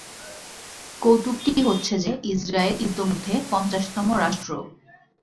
কৌতুকটি হচ্ছে যে ইজরায়েল ইতোমধ্যে পঞ্চাশতম রাষ্ট্র।